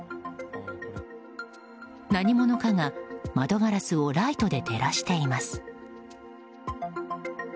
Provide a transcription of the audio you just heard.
何者かが窓ガラスをライトで照らしています。